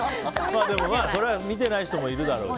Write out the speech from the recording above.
それは見てない人もいるだろうし。